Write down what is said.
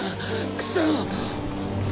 クソ！